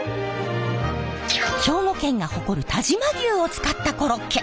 兵庫県が誇る但馬牛を使ったコロッケ。